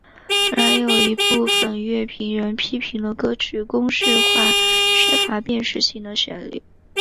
然而也有一部分乐评人批评了歌曲公式化缺乏辨识性的旋律。